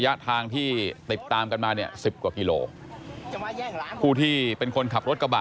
อย่าอย่าอย่าอย่าอย่าอย่าอย่าอย่าอย่าอย่าอย่าอย่าอย่าอย่าอย่า